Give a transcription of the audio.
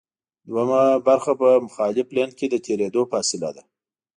دوهمه برخه په مخالف لین کې د تېرېدو فاصله ده